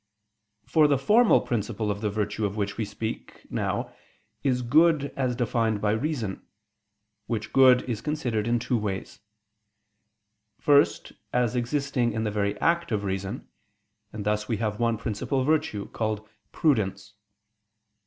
For the formal principle of the virtue of which we speak now is good as defined by reason; which good is considered in two ways. First, as existing in the very act of reason: and thus we have one principal virtue, called "Prudence."